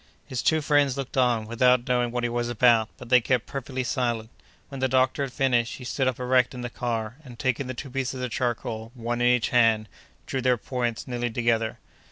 His two friends looked on, without knowing what he was about, but they kept perfectly silent. When the doctor had finished, he stood up erect in the car, and, taking the two pieces of charcoal, one in each hand, drew their points nearly together.